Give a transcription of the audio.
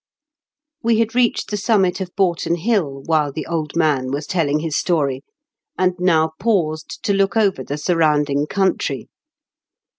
WJe had reached the summit of Boughton Hill while the old man was telling his story, and now paused to look over the surrounding country.